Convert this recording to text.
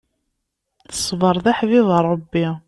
Ṣṣbeṛ d aḥbib n Ṛebbi.